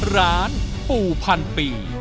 ร้านปู่พันปี